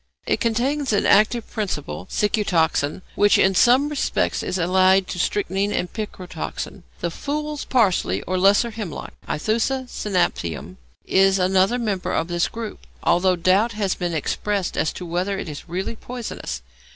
It contains an active principle, cicutoxin, which in some respects is allied to strychnine and picrotoxin. The fool's parsley, or lesser hemlock (Æthusa cynapium), is another member of this group, although doubt has been expressed as to whether it is really poisonous.